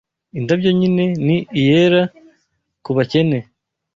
Indabyo nyine ni iyera kubakene